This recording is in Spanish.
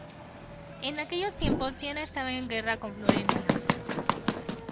En aquellos tiempos Siena estaba en guerra con Florencia.